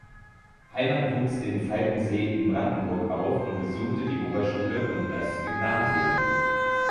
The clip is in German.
Heimann wuchs in Falkensee in Brandenburg auf und besuchte die Oberschule und das Gymnasium.